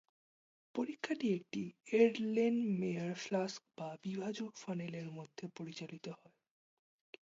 পরীক্ষাটি একটি Erlenmeyer flask বা বিভাজক ফানেলের মধ্যে পরিচালিত হয়।